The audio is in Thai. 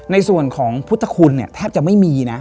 ในส่วนของพุทธคุณเนี่ยแทบจะไม่มีนะ